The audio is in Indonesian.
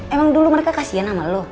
emang dulu mereka kasian sama lo